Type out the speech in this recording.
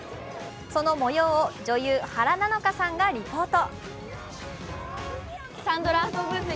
そのもようを女優・原菜乃華さんがリポート。